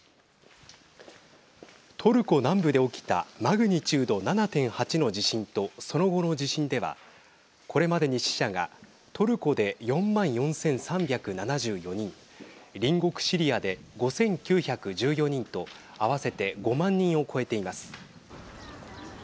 トルコ南部で起きたマグニチュード７．８の地震とその後の地震ではこれまでに死者がトルコで４万４３７４人隣国シリアで５９１４人と合わせて５万人を超えています。